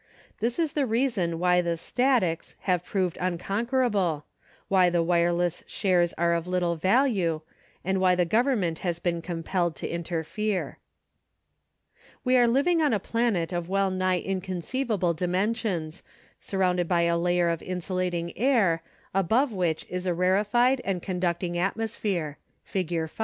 This is the reason why the "statics" have proved unconquerable, why the wireless shares are of little value and why the Gov ernment has been compelled to interfere. We are living on a planet of well nigh in conceivable dimensions, surrounded by a layer of insulating air above which is a rarefied and conducting atmosphere (Fig.